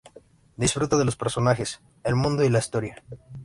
Disfruta de los personajes, el mundo y la historia.